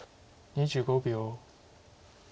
２５秒。